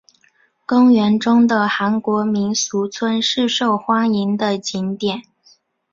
公园中的韩国民俗村是受欢迎的景点。